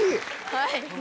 はい。